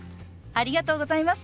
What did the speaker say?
ありがとうございます。